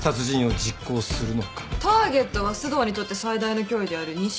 ターゲットは須藤にとって最大の脅威である西田。